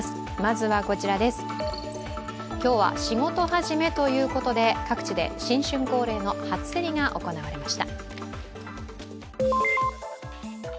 今日は仕事始めということで、各地で新春恒例の初競りが行われました。